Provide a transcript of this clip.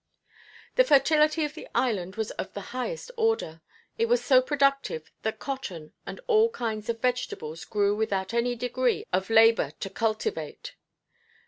The fertility of the island was of the highest order. It was so productive that cotton and all kinds of vegetables grew without any great degree of labor to cultivate.